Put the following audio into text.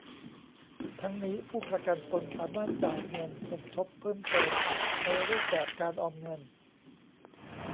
ทั้งนี้ผู้ประกันตนสามารถจ่ายเงินสมทบเพิ่มเติมในรูปแบบการออมเงิน